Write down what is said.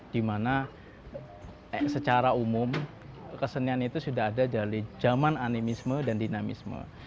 dimana secara umum kesenian itu sudah ada dari zaman animisme dan dinamisme